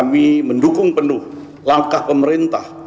kami mendukung penuh langkah pemerintah